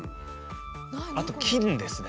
あと金ですね。